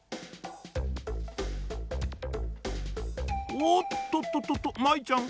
おっとととと舞ちゃん。